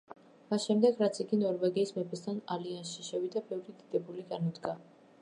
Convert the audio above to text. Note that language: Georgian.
მას შემდეგ, რაც იგი ნორვეგიის მეფესთან ალიანსში შევიდა, ბევრი დიდებული განუდგა.